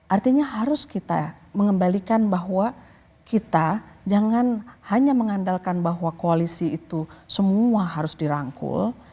artinya harus kita mengembalikan bahwa kita jangan hanya mengandalkan bahwa koalisi itu semua harus dirangkul